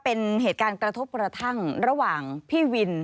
เป็นเหตุการณ์กระทบกระทั่งระหว่างพี่วิน